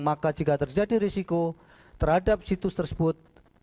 maka jika terjadi risiko terhadap situs tersebut